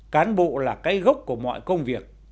cán bộ là cái gốc của mọi công việc